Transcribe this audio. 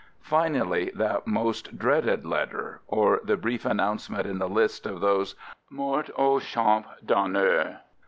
— Finally that most dreaded letter — or the brief announcement in the list of those "Mort au Champ d'Honneur."